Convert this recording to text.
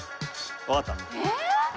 分かった。